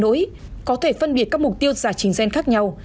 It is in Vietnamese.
phương pháp xét nghiệm mới này có thể phân biệt các mục tiêu giả trình gen khác nhau